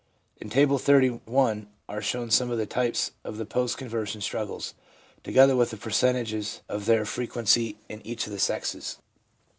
In Table XXXI. are shown some of the types of the post conversion struggles, together with the percentages of their frequency in each of the sexes.